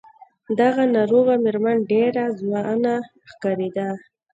دغه ناروغه مېرمن ډېره ځوانه ښکارېده.